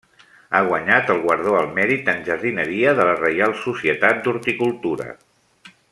Ha guanyat el Guardó al Mèrit en Jardineria de la Reial Societat d'Horticultura.